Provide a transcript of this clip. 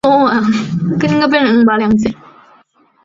须藤良太是千明和义的青梅竹马。